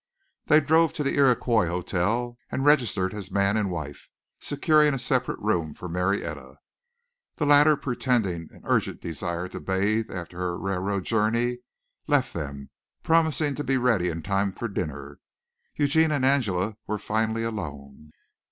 They drove to the Iroquois hotel and registered as man and wife, securing a separate room for Marietta. The latter pretending an urgent desire to bathe after her railroad journey, left them, promising to be ready in time for dinner. Eugene and Angela were finally alone.